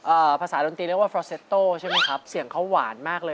เอ่อภาษาดนตรีเรียกว่าใช่ไหมครับเสียงเขาหวานมากเลย